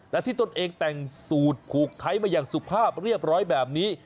และที่ตนเองแต่งสูตรผูกไทยมาอย่างสุภาพเรียบร้อยแบบนี้